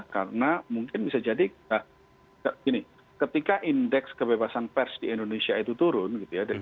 karena mungkin bisa jadi nah gini ketika indeks kebebasan pers di indonesia itu turun gitu ya